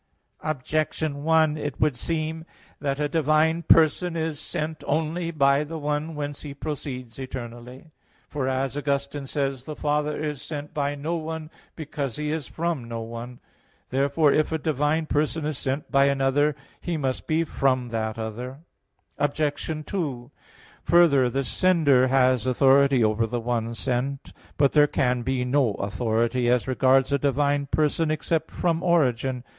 Objection 1: It would seem that a divine person is sent only by the one whence He proceeds eternally. For as Augustine says (De Trin. iv), "The Father is sent by no one because He is from no one." Therefore if a divine person is sent by another, He must be from that other. Obj. 2: Further, the sender has authority over the one sent. But there can be no authority as regards a divine person except from origin.